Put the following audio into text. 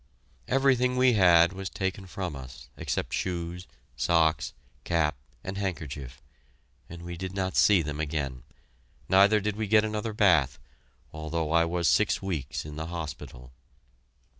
Everything we had was taken from us except shoes, socks, cap, and handkerchief, and we did not see them again: neither did we get another bath, although I was six weeks in the hospital.